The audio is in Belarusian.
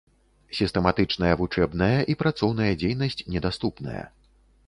Сістэматычная вучэбная і працоўная дзейнасць недаступная.